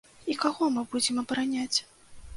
І каго мы будзем абараняць?